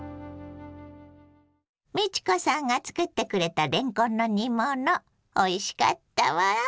美智子さんが作ってくれたれんこんの煮物おいしかったわ。